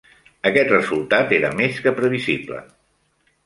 Aquest resultat era més que previsible.